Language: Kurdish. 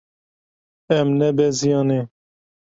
Em nebeziyane.